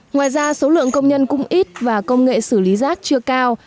ngoài ra số lượng công nhân cũng ít và công nghệ xử lý rác chưa cao